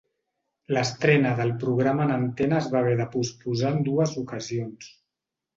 L'estrena del programa en antena es va haver de posposar en dues ocasions.